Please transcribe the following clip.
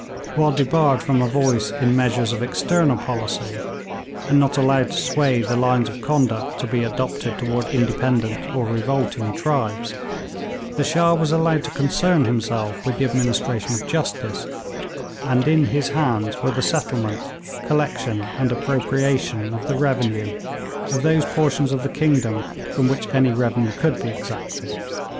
While debarred from a voice in measures of external policy, and not allowed to sway the lines of conduct to be adopted toward independent or revolting tribes, the Shah was allowed to concern himself with the administration of justice, and in his hands were the settlement, collection and appropriation of the revenue of those portions of the kingdom from which any revenue could be exacted.